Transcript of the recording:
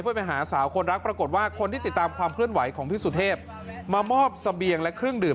เพื่อไปหาสาวคนรักปรากฏว่าคนที่ติดตามความเคลื่อนไหวของพี่สุเทพมามอบเสบียงและเครื่องดื่ม